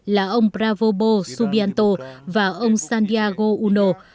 là ông bravo bo subianto và ông santiago uno